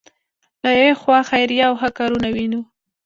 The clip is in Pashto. له یوې خوا خیریه او ښه کارونه وینو.